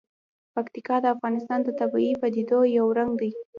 پکتیکا د افغانستان د طبیعي پدیدو یو رنګ دی.